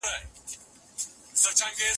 دی د بیدارۍ په پوله ولاړ و.